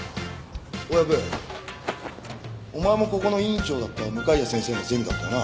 大藪お前もここの院長だった向谷先生のゼミだったよな？